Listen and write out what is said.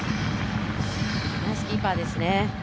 ナイスキーパーですね。